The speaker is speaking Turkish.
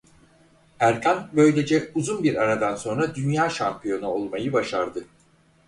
Erkan böylece uzun bir aradan sonra dünya şampiyonu olmayı başardı.